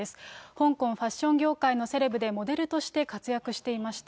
香港ファッション業界のセレブで、モデルとして活躍していました。